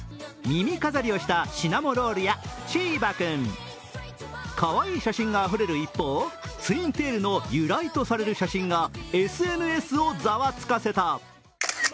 耳飾りをしたシナモロールやチーバくん、かわいい写真があふれる一方、ツインテールの由来とされる写真がＳＮＳをざわつかせた。